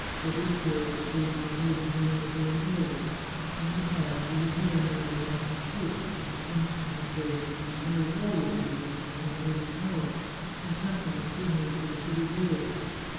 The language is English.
Fabrizio's escape had made the general very ill, and be sides, he had very nearly lost his post, when the prince, in his rage, discharged all the jailers in the Far'nese Tower, and sent them as prisoners to the city jail.